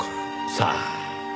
さあ。